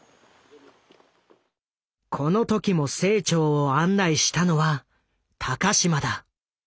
この時も清張を案内したのは高島だ。